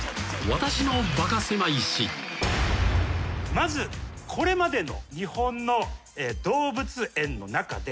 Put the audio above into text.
まずこれまでの日本の動物園の中で。